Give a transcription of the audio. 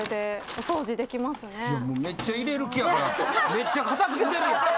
めっちゃ片付けてるやん！